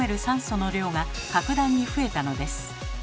酸素の量が格段に増えたのです。